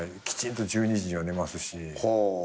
きちんと１２時には寝ますし。